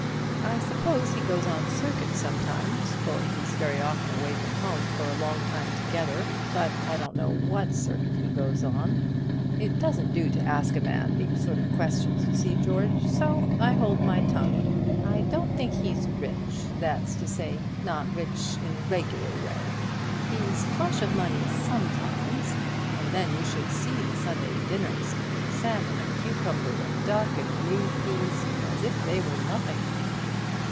I suppose he goes on circuit sometimes, for he's very often away from home for a long time together; but I don't know what circuit he goes on. It doesn't do to ask a man those sort of questions, you see, George; so I hold my tongue. I don't think he's rich, that's to say not rich in a regular way. He's flush of money sometimes, and then you should see the Sunday dinners salmon and cucumber, and duck and green peas, as if they were nothing."